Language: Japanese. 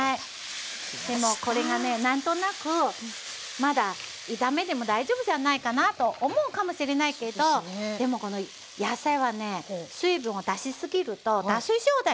でもうこれがね何となくまだ炒めても大丈夫じゃないかなと思うかもしれないけどでもこの野菜はね水分を出し過ぎると脱水状態になりますから。